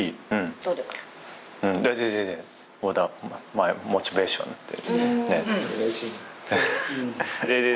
マイモチベーションって。